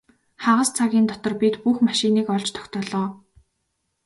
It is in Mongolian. Хагас цагийн дотор бид бүх машиныг олж тогтоолоо.